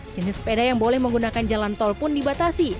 jenis sepeda yang boleh menggunakan jalan tol pun dibatasi